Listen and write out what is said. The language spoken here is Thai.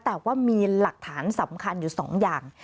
แต่ว่ามีหลักฐานสำคัญอยู่๒อย่าง